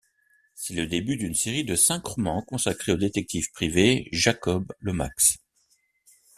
C'est le début d’une série de cinq romans consacrée au détective privé Jacob Lomax.